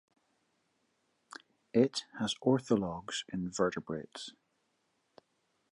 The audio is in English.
It has orthologs in vertebrates.